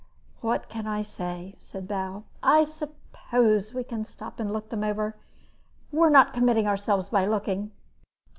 "What can I say?" said Bal. "I suppose we can stop and look them over. We're not committing ourselves by looking."